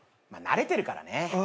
慣れてるからね。